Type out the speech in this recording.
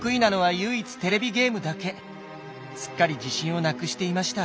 すっかり自信をなくしていました。